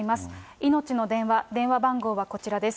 いのちの電話、電話番号はこちらです。